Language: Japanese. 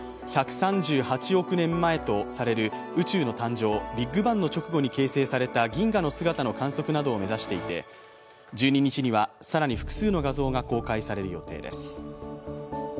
１３８億年前とされる宇宙の誕生、ビッグバンの直後に形成された銀河の姿の観測などを目指していて１２日には、更に複数の画像が公開される予定です。